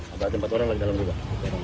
apalagi empat orang lagi dalam rumah